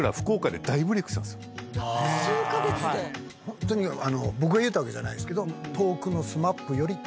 数カ月で⁉僕が言うたわけじゃないですけど。